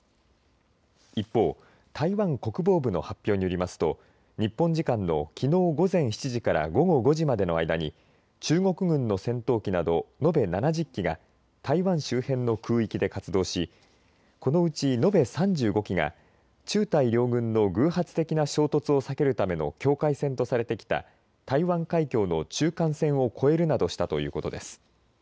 一方、台湾国防部の発表によりますと日本時間のきのう午前７時から午後５時までの間に中国軍の戦闘機など延べ７０機が台湾周辺の空域で活動しこのうち、延べ３５機が中台両軍の偶発的な衝突を避けるための境界線とされてきた台湾海峡の中間線を越えるなどしたということです。